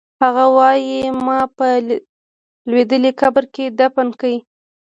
هغه وایی ما په لوېدلي قبر کې دفن کړئ